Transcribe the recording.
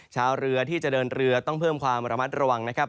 ชาวเรือที่จะเดินเรือต้องเพิ่มความระมัดระวังนะครับ